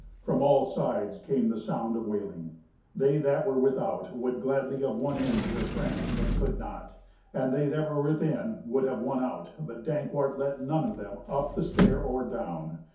From all sides came the sound of wailing. They that were without would gladly have won in to their friends, but could not; and they that were within would have won out, but Dankwart let none of them up the stair or down.